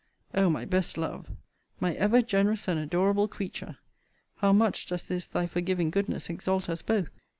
O my best love! My ever generous and adorable creature! How much does this thy forgiving goodness exalt us both!